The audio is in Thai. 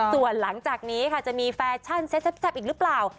ส่วนหลังจากนี้ค่ะจะมีแฟชั่นเซ็ตแซ่บอีกหรือเปล่า